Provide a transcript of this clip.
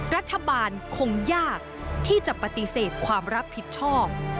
รัฐบาลคงยากที่จะปฏิเสธความรับผิดชอบ